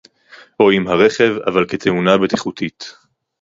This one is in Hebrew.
או עם הרכב אבל כתאונה בטיחותית